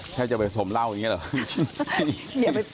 จะไปสมเหล้าอย่างนี้เหรอ